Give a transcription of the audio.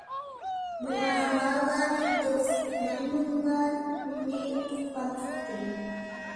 بۇغا، ماراللارنى دوست، مايمۇنلارنى تۇغقان تۇتتى.